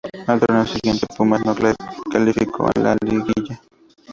Al torneo siguiente, Pumas no calificó a la liguilla.